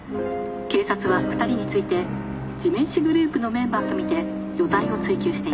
警察は二人について地面師グループのメンバーと見て余罪を追及しています。